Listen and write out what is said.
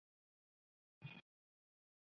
Iris তাদের একমাত্র সন্তান।